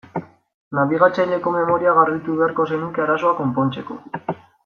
Nabigatzaileko memoria garbitu beharko zenuke arazoa konpontzeko.